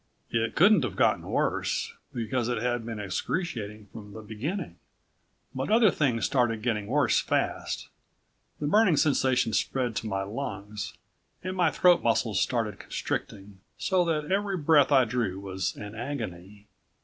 It couldn't have gotten worse, because it had been excruciating from the beginning. But other things started getting worse fast. The burning sensation spread to my lungs and my throat muscles started constricting, so that every breath I drew was an agony.